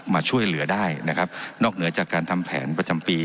มาช่วยเหลือได้นะครับนอกเหนือจากการทำแผนประจำปี